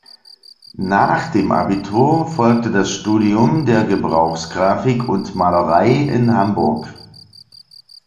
Nach dem Abitur folgte das Studium der Gebrauchsgrafik und Malerei in Hamburg.